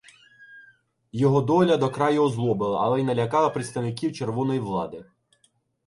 Його доля до краю озлобила, але й налякала представників червоної влади.